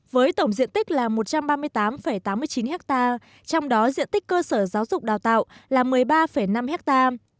với tổng diện tích là một trăm ba mươi tám tám mươi chín ha trong đó diện tích cơ sở giáo dục đào tạo là một mươi ba năm ha